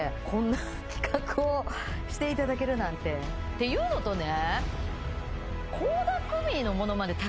ていうのとね。